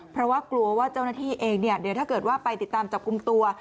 เพราะว่ากลัวว่าเจ้าหน้าที่เองถ้าเกิดไปติดตามจับกุมตัว